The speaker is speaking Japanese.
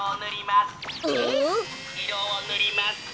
いろをぬります。